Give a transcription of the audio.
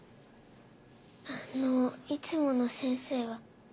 あのいつもの先生は？